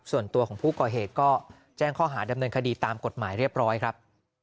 ส่วนตัวของผู้ก่อเหตุก็แจ้งข้อหาดำเนินคดีตามกฎหมายเรียบร้อยครับ